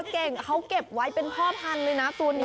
เก่งเขาเก็บไว้เป็นพ่อพันธุ์เลยนะตัวนี้